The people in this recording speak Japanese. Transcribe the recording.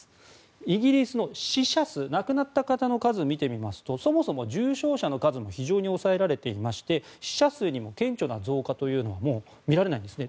イギリスの死者数亡くなった方の数を見てみますとそもそも重症者の数も非常に抑えられていまして死者数にも顕著な増加というのはもう見られないんですね。